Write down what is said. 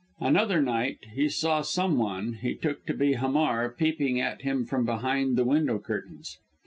Another night, he saw some one, he took to be Hamar, peeping at him from behind the window curtains.